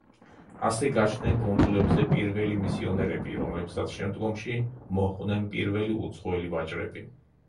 ასე გაჩნდნენ კუნძულებზე პირველი მისიონერები, რომლებსაც შემდგომში მოჰყვნენ პირველი უცხოელი ვაჭრები.